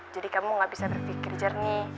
jadi kamu gak bisa berpikir jernih